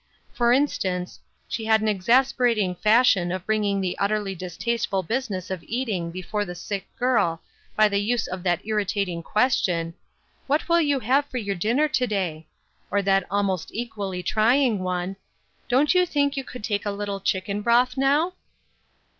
For instance, she had an exas perating fashion of bringing the utterly distasteful business of eating before the sick girl, by the use of that irritating question, " What will you have for your dinner to day?" or that almost equally trying one, " Don't you think you could take a little chicken broth now